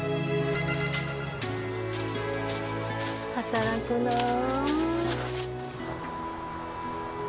働くなあ。